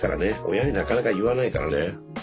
親になかなか言わないからね。